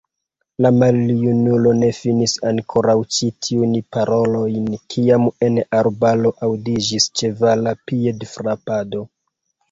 La maljunulo ne finis ankoraŭ ĉi tiujn parolojn, kiam en arbaro aŭdiĝis ĉevala piedfrapado.